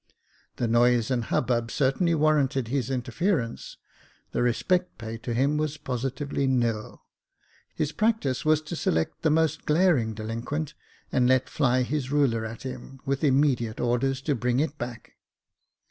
The noise and hubbub certainly warranted his interference — the respect paid to him was positively nil. His practice was to select the most glaring delinquent, and let fly his ruler at him, with immediate orders to bring it back.